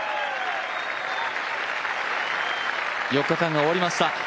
４日間が終わりました。